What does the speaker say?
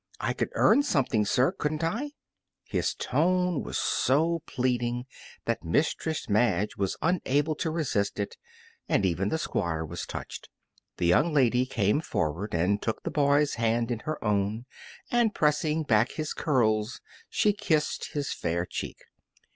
"I could earn something, sir, couldn't I?" His tone was so pleading that mistress Madge was unable to resist it, and even the Squire was touched. The young lady came forward and took the boy's hand in her own, and pressing back his curls, she kissed his fair cheek.